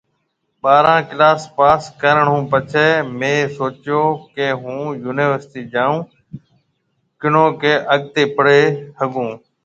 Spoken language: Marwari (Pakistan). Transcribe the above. ٻاره ڪلاس پاس ڪرڻ هُون پڇي مهيَ سوچيو ڪي هون يونِيورسٽِي جائون ڪنو ڪي اڳتي پڙهيَ هگھون